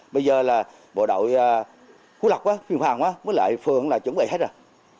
bây giờ là bộ đội hú lộc huyền hoàng với lại phường là chuẩn bị hết rồi